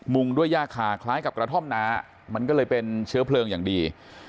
งด้วยย่าคาคล้ายกับกระท่อมน้ำมันก็เลยเป็นเชื้อเพลิงอย่างดี